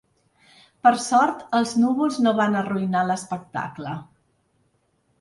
Per sort, els núvols no van arruïnar l’espectacle.